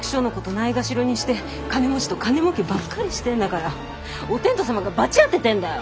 ないがしろにして金持ちと金もうけばっかりしてんだからお天道様が罰当ててんだよ！